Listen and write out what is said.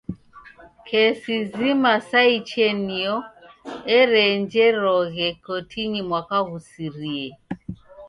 Kesi zima sa ichenio ereenjeroghe kotinyi mwaka ghusirie.